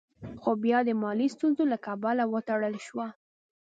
خو بيا د مالي ستونزو له کبله وتړل شوه.